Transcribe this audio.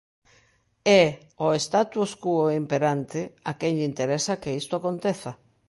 É ao status quo imperante a quen lle interesa que isto aconteza.